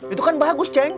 itu kan bagus ceng